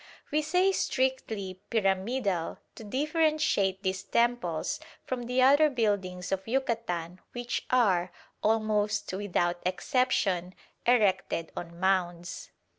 We say "strictly pyramidal" to differentiate these temples from the other buildings of Yucatan which are, almost without exception, erected on mounds.